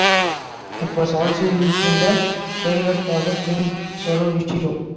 It was also used in the trailer for the film "Sorority Row".